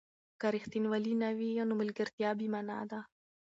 که ریښتینولي نه وي، نو ملګرتیا بې مانا ده.